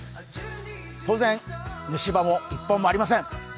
当然、虫歯も１本もありません。